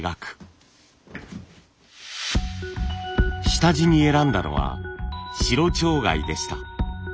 下地に選んだのは白蝶貝でした。